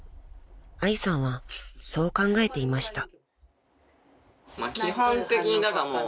［愛さんはそう考えていました］